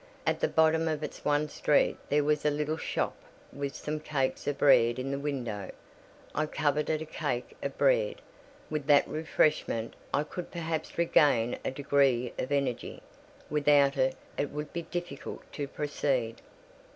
At the bottom of its one street there was a little shop with some cakes of bread in the window. I coveted a cake of bread. With that refreshment I could perhaps regain a degree of energy: without it, it would be difficult to proceed.